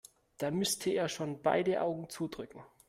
Da müsste er schon beide Augen zudrücken.